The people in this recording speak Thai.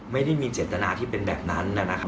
ไม่ได้มีเจตนาที่เป็นแบบนั้นนะครับ